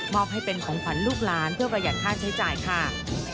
อบให้เป็นของขวัญลูกหลานเพื่อประหยัดค่าใช้จ่ายค่ะ